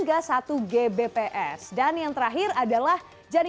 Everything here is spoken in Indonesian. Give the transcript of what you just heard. apa yang terjadi